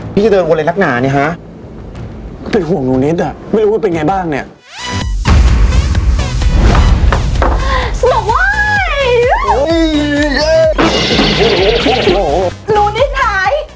พี่เธอทำอะไรหลักหนานี่ฮะเป็นห่วงหนูนิดอ่ะไม่รู้ว่าเป็นไงบ้างเนี่ย